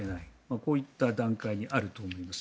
こういった段階にあると思います。